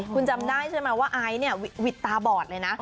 คุณจำได้ใช่ไหมว่าไอซ์เนี่ยหวิดตาบอดเลยนะ